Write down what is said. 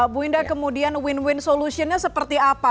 bu indah kemudian win win solutionnya seperti apa